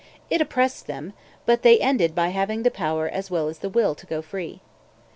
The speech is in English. It oppressed them; but they ended by having the power as well as the will to go free.